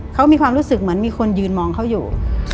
เขามีความรู้สึกเหมือนมีคนยืนมองเขาอยู่